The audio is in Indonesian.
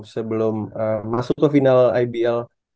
sebelum masuk ke final ibl